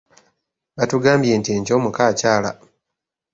Batugambye nti enkya omukko akyala.